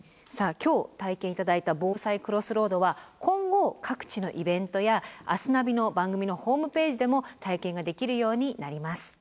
今日体験頂いた防災クロスロードは今後各地のイベントや「明日ナビ」の番組のホームページでも体験ができるようになります。